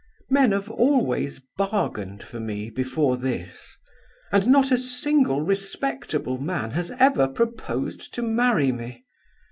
"Men have always bargained for me, before this; and not a single respectable man has ever proposed to marry me.